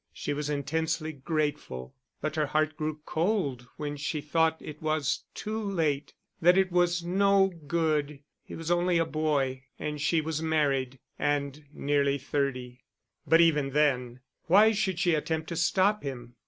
She was intensely grateful. But her heart grew cold when she thought it was too late, that it was no good: he was only a boy, and she was married and nearly thirty. But even then, why should she attempt to stop him?